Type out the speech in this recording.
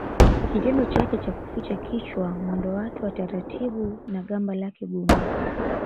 Kitendo chake cha kuficha kichwa mwendo wake wa taratibu na gamba lake gumu